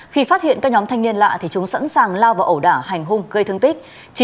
khi phát hiện các nhóm thanh niên lạ thì chúng sẵn sàng lao vào ẩu đả hành hung gây thương tích